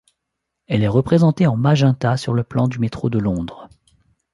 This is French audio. Elle est représentée en magenta sur le plan du métro de Londres.